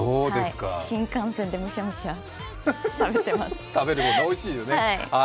新幹線でむしゃむしゃ食べてます。